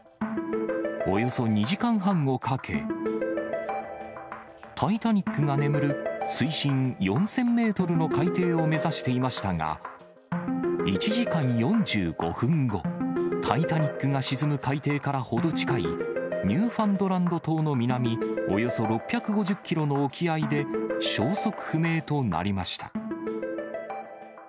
およそ２時間半をかけ、タイタニックが眠る水深４０００メートルの海底を目指していましたが、１時間４５分後、タイタニックが沈む海底から程近い、ニューファンドランド島の南およそ６５キロの沖合で、消息不明となりました。